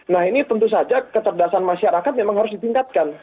nah ini tentu saja kecerdasan masyarakat memang harus ditingkatkan